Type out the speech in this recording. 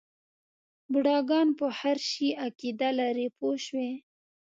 بوډاګان په هر شي عقیده لري پوه شوې!.